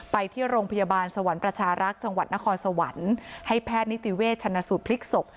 ไปที่โรงพยาบาลสวรรค์ประชารักษ์จังหวัดนครสวรรค์ให้แพทย์นิติเวชชนสูตรพลิกศพ